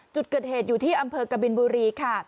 จุดเกิดเหตุอยู่ที่อำเภอกบินบุรีค่ะ